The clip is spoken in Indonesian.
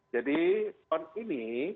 jadi pon ini